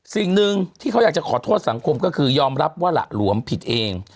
สิ่งหนึ่งที่เขาอยากจะขอโทษสังคมก็คือยอมรับว่าหละหลวมผิดเอง